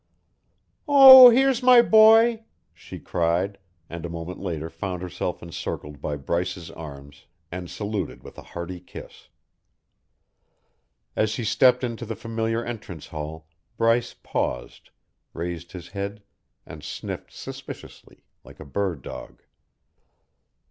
"Oh, here's my boy!" she cried, and a moment later found herself encircled by Bryce's arms and saluted with a hearty kiss. As he stepped into the familiar entrance hall, Bryce paused, raised his head and sniffed suspiciously, like a bird dog.